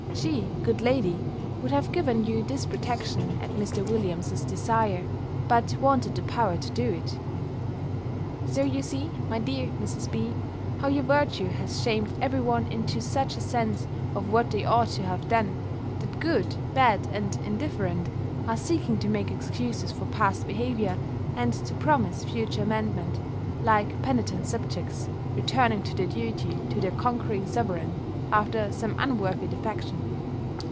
She, good lady, would have given you this protection at Mr. Williams's desire; but wanted the power to do it. So you see, my dear Mrs. B., how your virtue has shamed every one into such a sense of what they ought to have done, that good, bad, and indifferent, are seeking to make excuses for past misbehaviour, and to promise future amendment, like penitent subjects returning to their duty to their conquering sovereign, after some unworthy defection.